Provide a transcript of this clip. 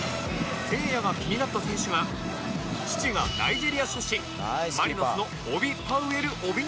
せいやが気になった選手が父がナイジェリア出身マリノスのオビ・パウエル・オビンナ選手